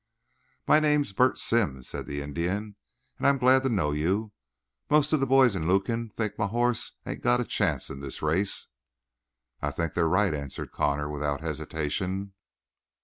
"My name's Bert Sims," said the Indian, "and I'm glad to know you. Most of the boys in Lukin think my hoss ain't got a chance in this race." "I think they're right," answered Connor without hesitation.